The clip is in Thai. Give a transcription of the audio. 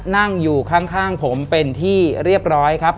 นั่งอยู่ข้างผมเป็นที่เรียบร้อยครับ